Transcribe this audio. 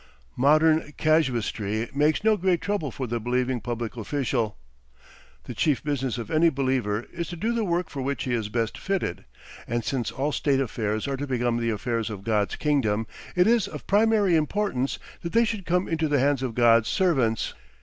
Modern casuistry makes no great trouble for the believing public official. The chief business of any believer is to do the work for which he is best fitted, and since all state affairs are to become the affairs of God's kingdom it is of primary importance that they should come into the hands of God's servants.